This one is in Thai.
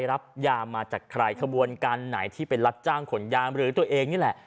รับยามาจากใครขบวนการไหนที่ไปรับจ้างขนยามหรือตัวเองนี่แหละ